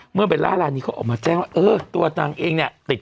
เมื่อเวลาลานี้เขาออกมาแจ้งว่าเออตัวตรงเองเนี้ยติด